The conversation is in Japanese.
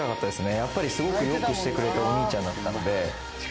やっぱり、すごくよくしてくれたお兄ちゃんだったので。